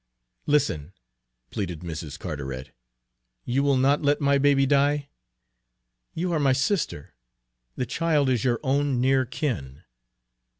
"Listen," pleaded Mrs. Carteret. "You will not let my baby die? You are my sister; the child is your own near kin!"